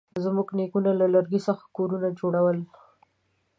زموږ نیکونه له لرګي کورونه جوړول.